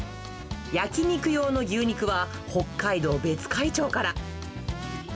焼き肉用の牛肉は、北海道別海町から。